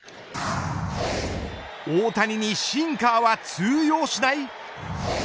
大谷にシンカーは通用しない。